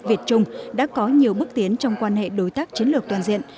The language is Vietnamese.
việt trung đã có nhiều bước tiến trong quan hệ đối tác chiến lược toàn diện